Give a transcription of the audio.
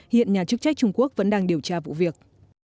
hiện nhà chức trách trung quốc vẫn đang điều tra vụ việc